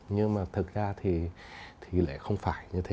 nhưng mà thực ra thì lại không phải như thế